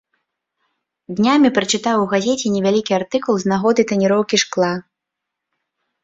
Днямі прачытаў у газеце невялікі артыкул з нагоды таніроўкі шкла.